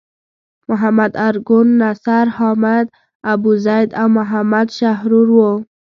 محمد ارګون، نصر حامد ابوزید او محمد شحرور وو.